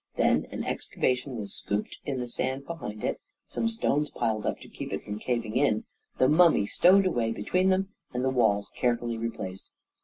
Then an excavation was scooped in the sand behind it, some stones piled up to keep it from caving in, the mummy stowed away between them, and the wall carefully replaced.